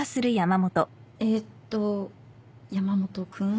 えっと山本君？